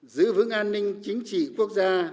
giữ vững an ninh chính trị quốc gia